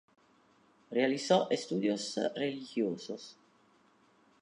Realizó estudios religiosos.